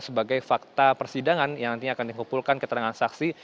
sebagai fakta persidangan yang nantinya akan dikumpulkan keterangan saksi